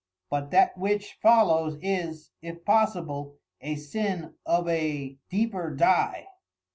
But that which follows is (if possible) a sin of a deeper dye.